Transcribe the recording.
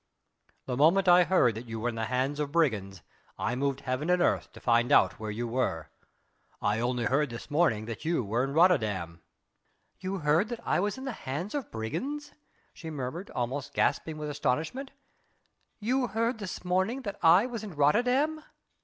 The moment I heard that you were in the hands of brigands I moved heaven and earth to find out where you were. I only heard this morning that you were in Rotterdam...." "You heard that I was in the hands of brigands," she murmured, almost gasping with astonishment, "you heard this morning that I was in Rotterdam...?"